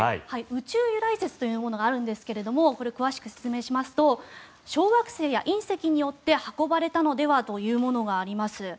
宇宙由来説というものがあるんですが詳しく説明しますと小惑星や隕石によって運ばれたのではというものがあります。